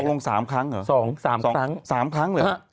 ลง๓ครั้งเหรอ๒๓ครั้ง๓ครั้งเหรอฮะ